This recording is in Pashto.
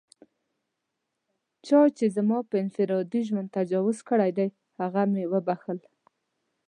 چا چې زما پر انفرادي ژوند تجاوز کړی دی، هغه مې و بښل.